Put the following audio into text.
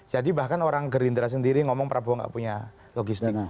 jadi bahkan orang gerindra sendiri ngomong prabowo nggak punya logistik